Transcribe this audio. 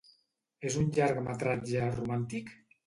És un llargmetratge romàntic?